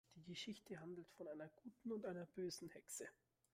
Die Geschichte handelt von einer guten und einer bösen Hexe.